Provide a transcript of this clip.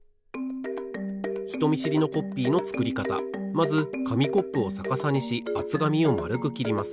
まずかみコップをさかさにしあつがみをまるくきります。